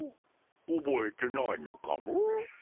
おぼえてないのかモ？